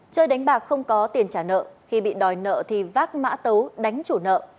chơi đánh bạc không có tiền trả nợ khi bị đòi nợ thì vác mã tấu đánh chủ nợ